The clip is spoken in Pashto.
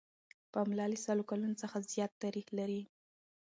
پملا له سلو کلونو څخه زیات تاریخ لري.